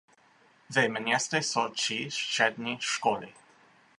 Ve městě jsou tři střední školy.